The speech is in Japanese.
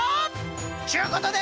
ちゅうことで。